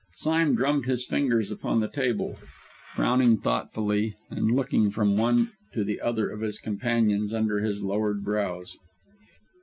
Sime drummed his fingers upon the table, frowning thoughtfully, and looking from one to the other of his companions under his lowered brows.